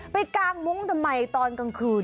ไปกางมุ้งดมัยตอนกลางคซืน